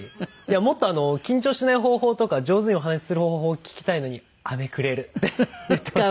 もっと緊張しない方法とか上手にお話しする方法を聞きたいのに「飴くれる」って言ってました。